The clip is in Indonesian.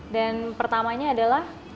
dan pertamanya adalah